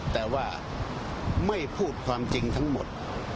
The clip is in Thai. แต่ว่าไม่พูดความจริงทั้งหมด